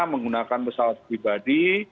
menggunakan pesawat pribadi